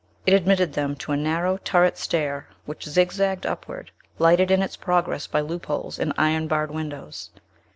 It admitted them to a narrow turret stair which zigzagged upward, lighted in its progress by loopholes and iron barred windows.